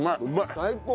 うまい。